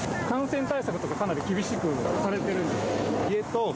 感染対策とかはかなり厳しくされてるんですか？